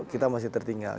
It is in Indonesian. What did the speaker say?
kita masih tertinggal